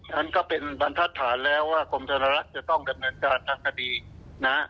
นั้นก็เป็นบรรทัศนแล้วว่ากรมธนรัฐจะต้องดำเนินการทางคดีนะ